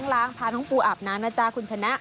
ล้างพาน้องปูอาบน้ำนะจ๊ะคุณชนะ